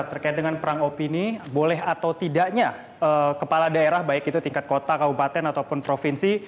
terkait dengan perang opini boleh atau tidaknya kepala daerah baik itu tingkat kota kabupaten ataupun provinsi